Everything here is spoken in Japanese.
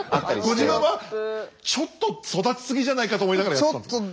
ご自分はちょっと育ち過ぎじゃないかと思いながらやってたんですか？